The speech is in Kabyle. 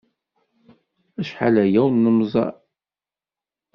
Acḥal aya ur nemmẓer.